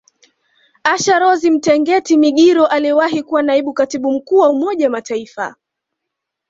Asha Rose Mtengeti Migiro aliyewahi kuwa Naibu Katibu Mkuu wa Umoja wa Mataifa